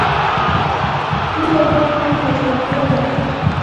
دوی يو بد پيل تجربه کړی دی.